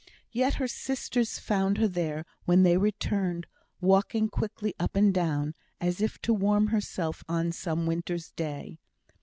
Yet her sisters found her there when they returned, walking quickly up and down, as if to warm herself on some winter's day.